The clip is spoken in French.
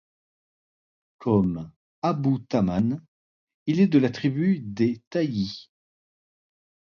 Comme Abū Tammām, il est de la tribu des T̩ayyi'.